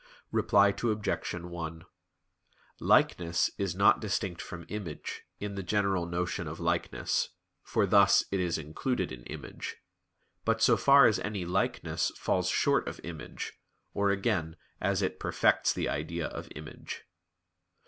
Reply Obj. 1: "Likeness" is not distinct from "image" in the general notion of "likeness" (for thus it is included in "image"); but so far as any "likeness" falls short of "image," or again, as it perfects the idea of "image."